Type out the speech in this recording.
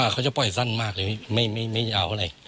เขาจะปล่อยสั้นมากเลยไม่เอาอะไร